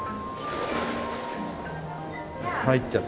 入っちゃった。